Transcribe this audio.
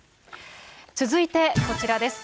続いて、こちらです。